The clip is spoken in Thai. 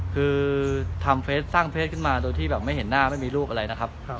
คือทำเฟสสร้างเฟสขึ้นมาโดยที่แบบไม่เห็นหน้าไม่มีรูปอะไรนะครับ